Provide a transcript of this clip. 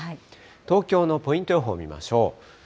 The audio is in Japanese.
東京のポイント予報を見ましょう。